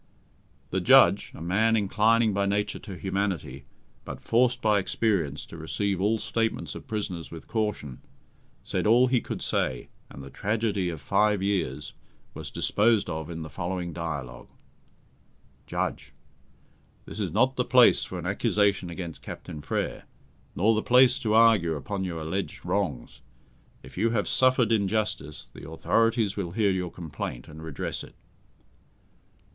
The judge, a man inclining by nature to humanity, but forced by experience to receive all statements of prisoners with caution, said all he could say, and the tragedy of five years was disposed of in the following dialogue: JUDGE: This is not the place for an accusation against Captain Frere, nor the place to argue upon your alleged wrongs. If you have suffered injustice, the authorities will hear your complaint, and redress it.